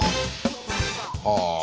はあ。